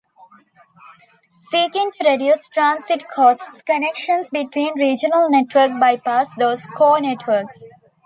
Seeking to reduce transit costs, connections between regional networks bypass those "core" networks.